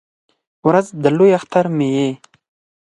ورځ د لوی اختر مې یې